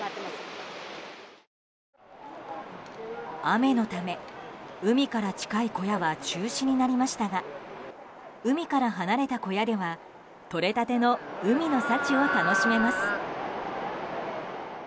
雨のため、海から近い小屋は中止になりましたが海から離れた小屋ではとれたての海の幸を楽しめます。